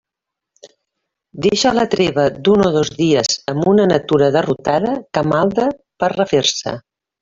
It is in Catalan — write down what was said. Deixa la treva d'un o dos dies amb una natura derrotada que malda per refer-se.